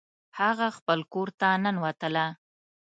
هغه خپل کور ته ننوتله